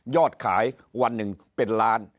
ขายวันหนึ่งเป็นล้าน